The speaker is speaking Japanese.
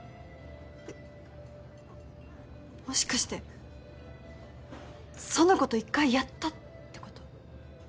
もしかしてその子と１回やったってこと？